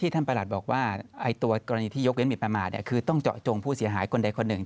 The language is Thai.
ประหลัดบอกว่าตัวกรณีที่ยกเว้นหมินประมาทคือต้องเจาะจงผู้เสียหายคนใดคนหนึ่ง